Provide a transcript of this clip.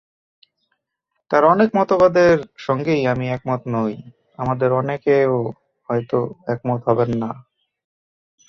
তাঁর অনেক মতবাদের সঙ্গেই আমি একমত নই, আপনাদের অনেকেও হয়তো একমত হবেন না।